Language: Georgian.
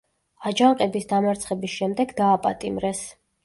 აჯანყების დამარცხების შემდეგ დააპატიმრეს.